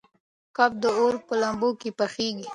کباب د اور په لمبو کې پخېږي.